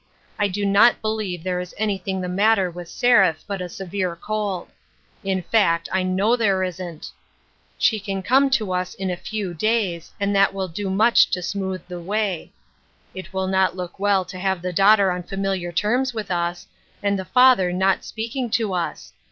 I do not believe there is anything the matter with Seraph but a severe cold ; in fact, I know there isn't. 272 DAYS OF PRIVILEGE. She can come to us in a few days, and that will do much to smooth the way ; it will not look well to have the daughter on familiar terms with us, and the father not speaking to us.